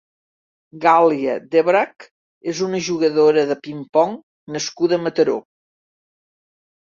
Gàlia Dvorak és una jugadora de ping-pong nascuda a Mataró.